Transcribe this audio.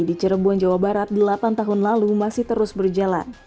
di cirebon jawa barat delapan tahun lalu masih terus berjalan